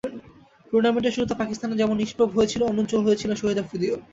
টুর্নামেন্টের শুরুতে পাকিস্তান যেমন নিষ্প্রভ হয়ে ছিল, অনুজ্জ্বল হয়ে ছিলেন শহীদ আফ্রিদিও।